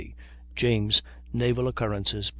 James ("Naval Occurrences," p.